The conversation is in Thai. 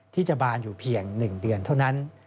ที่จะบานอยู่เพียง๑เดือนเท่านั้น